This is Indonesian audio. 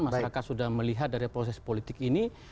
masyarakat sudah melihat dari proses politik ini